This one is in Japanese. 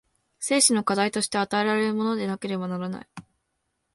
生死の課題として与えられるものでなければならない。